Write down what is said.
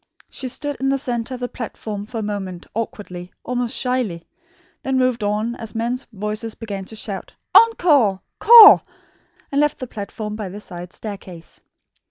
She stood in the centre of the platform for a moment, awkwardly, almost shyly; then moved on as men's voices began to shout "Encore! 'core!" and left the platform by the side staircase.